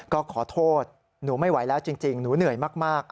ก็ขอโทษหนูไม่ไหวแล้วจริงหนูเหนื่อยมาก